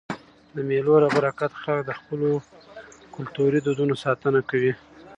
د مېلو له برکته خلک د خپلو کلتوري دودونو ساتنه کوي.